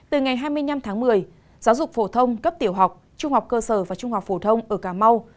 từ ngày hai mươi năm tháng một mươi giáo dục phổ thông cấp tiểu học trung học cơ sở và trung học phổ thông ở cà mau